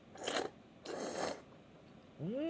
うん！